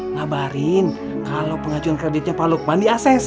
ngabarin kalau pengajuan kreditnya pak lukman di acc